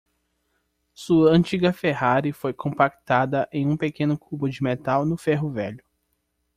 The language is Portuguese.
Sua antiga Ferrari foi compactada em um pequeno cubo de metal no ferro-velho.